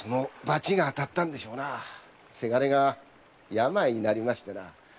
伜が病になりましてな。